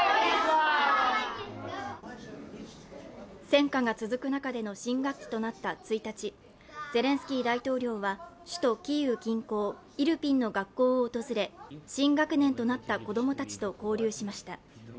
戦禍が続く中での新学期となった１日、ゼレンスキー大統領は首都キーウ近郊イルピンの学校を訪れ、新学年となった子供たちと交流しました。